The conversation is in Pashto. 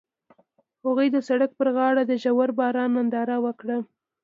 هغوی د سړک پر غاړه د ژور باران ننداره وکړه.